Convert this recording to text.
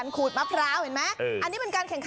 อันนี้คืออะไรอันนี้คือมวยทะเลถูกต้องแล้วนะครับ